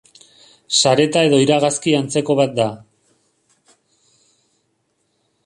Sareta edo iragazki antzeko bat da.